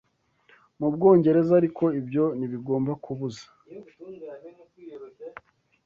mu Bwongereza Ariko ibyo ntibigomba kubuza